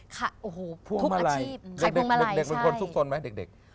ขายโอ้โหทุกอาชีพขายพวงมาลัยใช่เด็กเป็นคนทุกข์สนไหมเด็ก